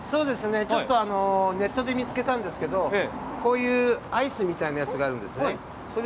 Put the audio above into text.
ちょっとネットで見つけたんですけど、こういうアイスみたいなやつがあるんですね。